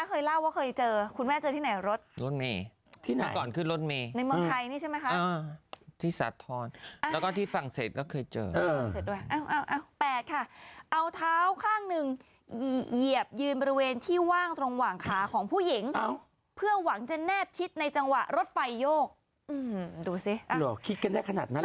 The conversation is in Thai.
๘เอาเท้าข้างหนึ่งเหยียบยืนบริเวณที่ว่างตรงหว่างขาของผู้หญิงเพื่อหวังจะแนบชิดในจังหวะรถไฟโยก